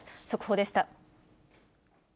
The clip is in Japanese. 速報でした。